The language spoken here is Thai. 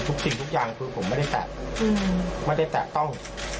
สิ่งทุกอย่างคือผมไม่ได้แตะไม่ได้แตะต้อง